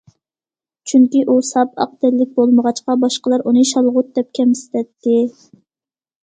چۈنكى، ئۇ ساپ ئاق تەنلىك بولمىغاچقا، باشقىلار ئۇنى« شالغۇت» دەپ كەمسىتەتتى.